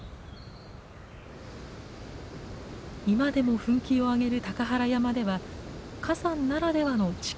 今でも噴気を上げる高原山では火山ならではの地形が見られます。